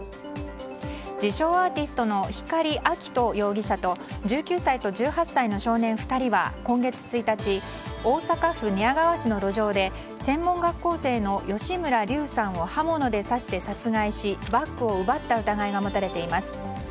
自称アーティストの光亮斗容疑者と１９歳と１８歳の少年２人は今月１日大阪府寝屋川市の路上で専門学校生の吉村竜さんを刃物で刺して殺害し、バッグを奪った疑いが持たれています。